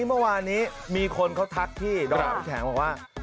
เมื่อวานนี้มีคนเขาทักพี่ดอมน้ำแข็งบอกว่า